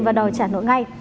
và đòi trả nợ ngay